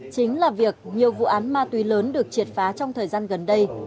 chính là việc nhiều vụ án ma túy lớn được triệt phá trong thời gian gần đây